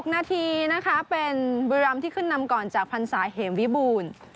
๖นาทีเป็นบริรามที่ขึ้นนำก่อนจากพันธุ์สายเห็มวิบูล